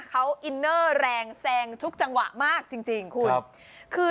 เขาอินเนอร์แรงแซงทุกจังหวะมากจริงจริงคุณคือ